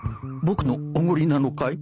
僕のおごりなのかい？